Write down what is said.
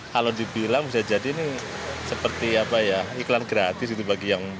kalau dibilang bisa jadi ini seperti iklan gratis bagi yang